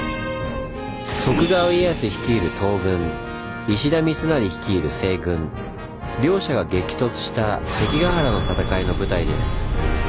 徳川家康率いる東軍石田三成率いる西軍両者が激突した「関ケ原の戦い」の舞台です。